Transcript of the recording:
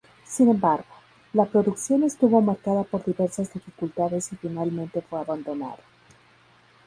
Sin embargo, la producción estuvo marcada por diversas dificultades y finalmente fue abandonada.